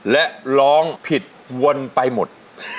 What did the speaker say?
และร้องผิดวนไปหมด